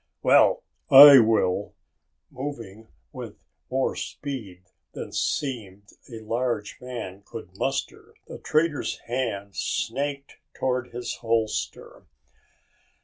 "Well, I will!" Moving with more speed than it seemed a large man could muster, the trader's hand snaked toward his holster.